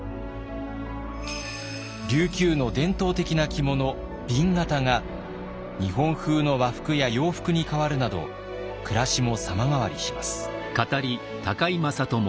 琉球の伝統的な着物紅型が日本風の和服や洋服に変わるなど暮らしも様変わりします。